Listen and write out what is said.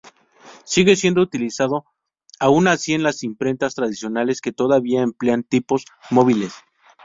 Sigue siendo utilizado, aun así, en las imprentas tradicionales que todavía emplean tipos móviles.